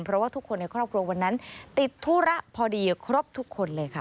เพราะว่าทุกคนในครอบครัววันนั้นติดธุระพอดีครบทุกคนเลยค่ะ